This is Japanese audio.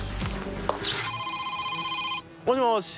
もしもし。